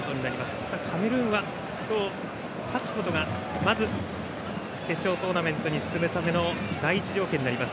ただ、カメルーンは勝つことがまず決勝トーナメントに進むための第１条件です。